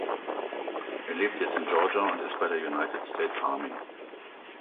Er lebt jetzt in Georgia und ist bei der United States Army.